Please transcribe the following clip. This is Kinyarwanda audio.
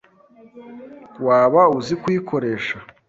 Waba uzi kuyikoresha?